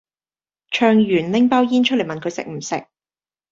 唱完拎包煙出黎問佢食唔食